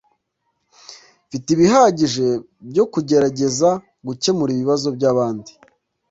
Mfite ibihagije byo kugerageza gukemura ibibazo byabandi